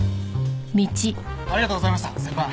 ありがとうございました先輩。